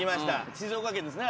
静岡県ですね